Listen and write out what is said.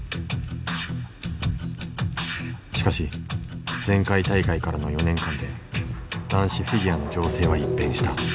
しかし前回大会からの４年間で男子フィギュアの情勢は一変した。